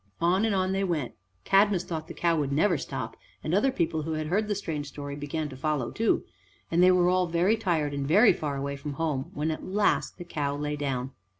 On and on they went. Cadmus thought the cow would never stop, and other people who had heard the strange story began to follow too, and they were all very tired and very far away from home when at last the cow lay down.